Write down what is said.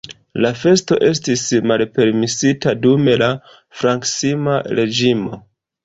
La festo estis malpermesita dum la Frankisma reĝimo.